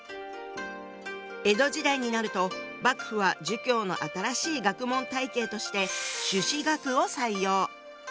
江戸時代になると幕府は「儒教」の新しい学問体系として「朱子学」を採用。